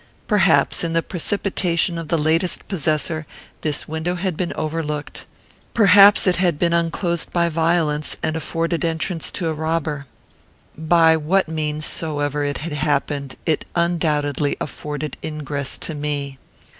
Perhaps, in the precipitation of the latest possessor, this window had been overlooked. Perhaps it had been unclosed by violence, and afforded entrance to a robber. By what means soever it had happened, it undoubtedly afforded ingress to me.